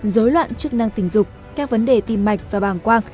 dối loạn chức năng tình dục các vấn đề tim mạch và bàng quang